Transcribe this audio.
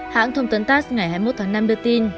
hãng thông tấn tass ngày hai mươi một tháng năm đưa tin